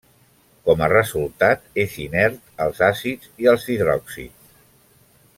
Com a resultat, és inert als àcids i als hidròxids.